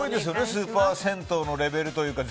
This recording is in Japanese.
スーパー銭湯のレベルというか